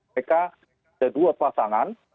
mereka dua pasangan